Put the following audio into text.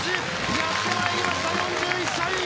やってまいりました４１歳！